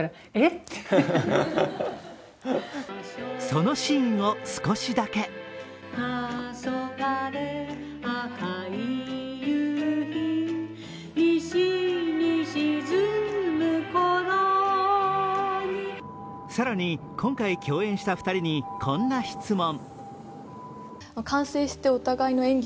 そのシーンを少しだけ更に今回共演した２人にこんな質問。